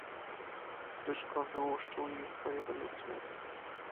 "Zbyszko wyłuszczył jej swoje domysły."